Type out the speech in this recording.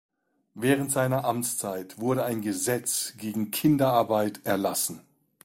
Während seiner Amtszeit wurde ein Gesetz gegen Kinderarbeit erlassen.